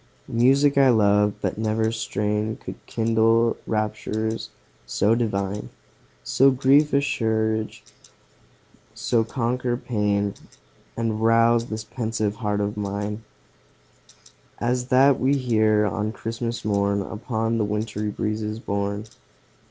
Music I love but never strain Could kindle raptures so divine, So grief assuage, so conquer pain, And rouse this pensive heart of mine As that we hear on Christmas morn, Upon the wintry breezes borne.